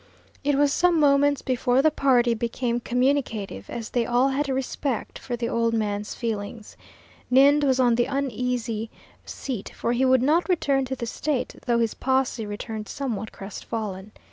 It was some moments before the party became communicative, as they all had a respect for the old man's feelings. Ninde was on the uneasy seat, for he would not return to the State, though his posse returned somewhat crestfallen.